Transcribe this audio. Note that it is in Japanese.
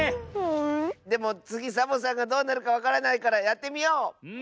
でもつぎサボさんがどうなるかわからないからやってみよう！